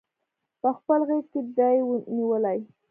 پخپل غیږ کې دی نیولي